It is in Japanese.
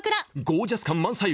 「ゴージャス感満載！